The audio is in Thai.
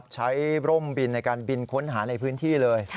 ร่มบินในการบินค้นหาในพื้นที่เลย